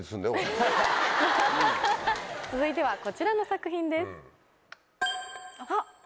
続いてはこちらの作品です。